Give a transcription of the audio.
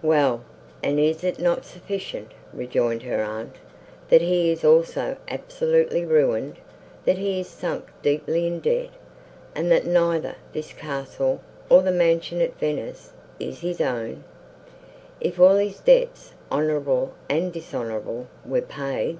"Well, and is it not sufficient," rejoined her aunt, "that he is also absolutely ruined, that he is sunk deeply in debt, and that neither this castle, nor the mansion at Venice, is his own, if all his debts, honourable and dishonourable, were paid!"